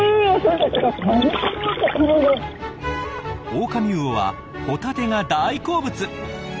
オオカミウオはホタテが大好物。